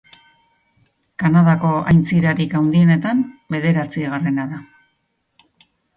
Kanadako aintzirarik handienetan bederatzigarrena da.